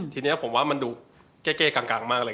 ทีนี้ผมว่ามันดูเก้กลางมากเลย